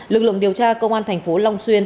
lực lượng điều tra công an thành phố long xuyên